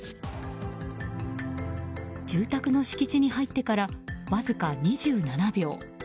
住宅の敷地に入ってからわずか２７秒。